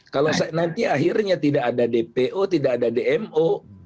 kalau nanti akhirnya tidak ada dpo tidak ada dmo